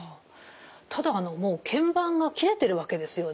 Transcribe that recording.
ただあのもうけん板が切れてるわけですよね。